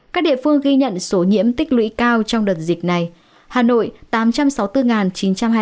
các địa phương ghi nhận số nhiễm tích lũy cao trong đợt dịch này hà nội tám trăm sáu mươi bốn chín trăm hai mươi năm tp hcm